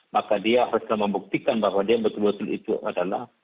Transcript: maka dia harus membuktikan bahwa dia betul betul itu adalah